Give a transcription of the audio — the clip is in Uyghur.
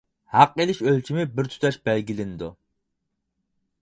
ھەق ئېلىش ئۆلچىمى بىر تۇتاش بەلگىلىنىدۇ.